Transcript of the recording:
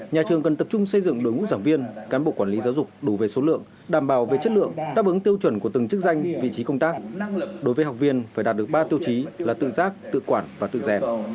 nhà trường cần tập trung xây dựng đối ngũ giảng viên cán bộ quản lý giáo dục đủ về số lượng đảm bảo về chất lượng đáp ứng tiêu chuẩn của từng chức danh vị trí công tác đối với học viên phải đạt được ba tiêu chí là tự giác tự quản và tự rèn